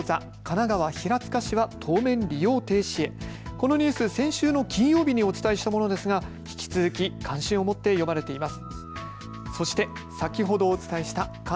このニュース、先週の金曜日にお伝えしたものですが引き続き関心を持って読まれています。